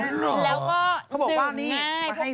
แล้วก็เดิมง่ายพวกพาสะดวก